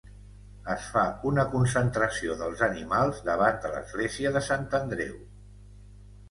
Es fa una concentració dels animals davant de l'església de Sant Andreu.